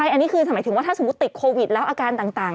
อันนี้คือหมายถึงว่าถ้าสมมุติติดโควิดแล้วอาการต่าง